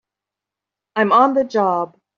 I'm on the job!